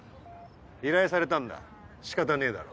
依頼されたんだ仕方ねえだろ。